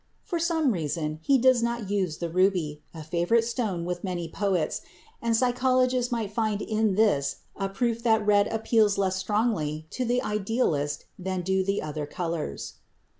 For some reason, he does not use the ruby, a favorite stone with many poets, and psychologists might find in this a proof that red appeals less strongly to the idealist than do the other colors.